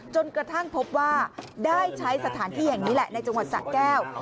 จนกระทั่งพบว่าได้ใช้สถานที่แห่งนี้แหละในจังหวัดสะแก้ว